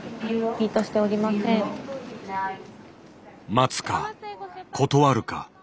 待つか断るか。